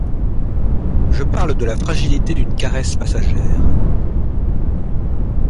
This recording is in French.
Je parle de la fragilité d'une caresse passagère.